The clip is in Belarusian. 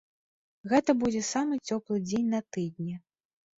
Гэта будзе самы цёплы дзень на тыдні.